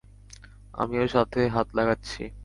আমিও সাথে হাত লাগাচ্ছি।